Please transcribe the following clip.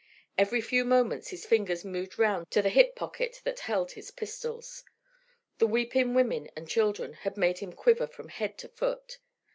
Every few moments his fingers moved round to the hip pocket that held his pistols. The weeping women and children had made him quiver from head to foot.